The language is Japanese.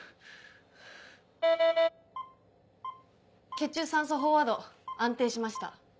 血中酸素飽和度安定しました。